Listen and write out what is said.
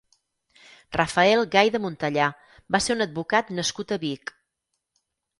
Rafael Gay de Montellà va ser un advocat nascut a Vic.